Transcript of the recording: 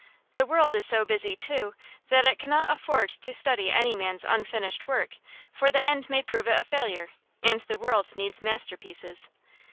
The world is so busy, too, that it cannot afford to study any man's unfinished work; for the end may prove it a failure, and the world needs masterpieces.